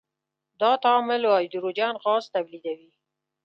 دا تعامل هایدروجن غاز تولیدوي.